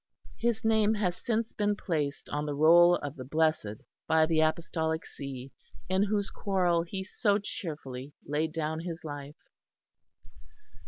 His name has since been placed on the roll of the Blessed by the Apostolic See in whose quarrel he so cheerfully laid down his life.